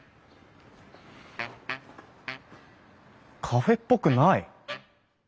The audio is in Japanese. カフェっぽくない！